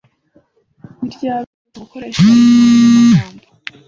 Ni ryari uheruka gukoresha iyi nkoranyamagambo